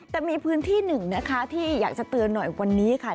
แต่มีพื้นที่หนึ่งนะคะที่อยากจะเตือนหน่อยวันนี้ค่ะ